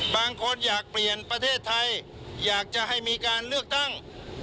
บางคนอยากเปลี่ยนประเทศไทยอยากจะให้มีการเลือกตั้ง